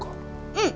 うん。